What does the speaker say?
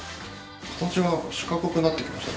形が四角くなってきましたね。